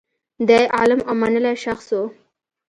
دی عالم او منلی شخص و.